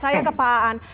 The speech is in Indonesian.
saya ke paaan